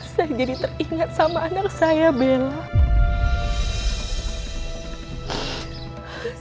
saya jadi teringat sama anak saya bela